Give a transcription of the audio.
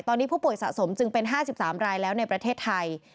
ตอนนี้ผู้ป่วยสะสมจึงเป็น๕๓รายแล้วในประเทศไทย